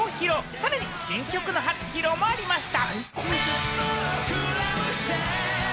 さらに新曲の初披露もありました。